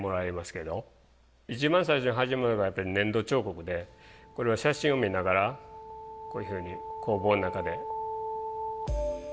一番最初に始めるのはやっぱり粘土彫刻でこれは写真を見ながらこういうふうに工房の中でやってます。